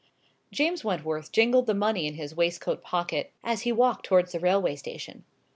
James Wentworth jingled the money in his waistcoat pocket as he walked towards the railway station.